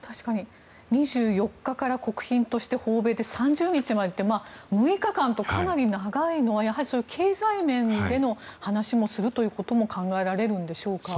２４日から国賓として訪米で、３０日までって６日間と、かなり長いのはそういう経済面での話もすることも考えられるんでしょうか。